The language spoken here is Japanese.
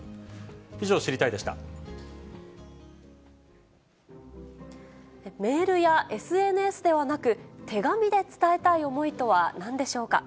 以上、メールやＳＮＳではなく、手紙で伝えたい思いとはなんでしょうか。